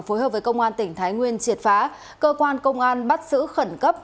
phối hợp với công an tỉnh thái nguyên triệt phá cơ quan công an bắt giữ khẩn cấp